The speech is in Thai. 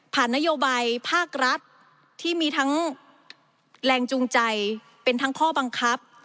นโยบายภาครัฐที่มีทั้งแรงจูงใจเป็นทั้งข้อบังคับ